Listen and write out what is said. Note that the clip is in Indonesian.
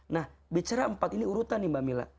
nah bicara empat ini urutan nih bhamila